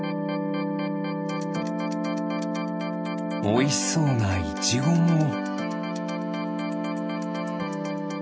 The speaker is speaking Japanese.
おいしそうなイチゴも。